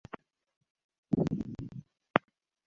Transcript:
Tmasha lilifanyika kwenye ukumbi wa Hoteli ya Double Tree